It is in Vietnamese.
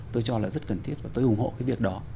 tôi cho là rất cần thiết và tôi ủng hộ cái việc đó